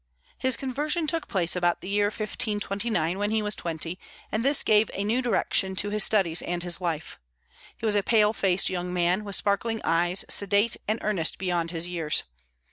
His conversion took place about the year 1529, when he was twenty; and this gave a new direction to his studies and his life. He was a pale faced young man, with sparkling eyes, sedate and earnest beyond his years.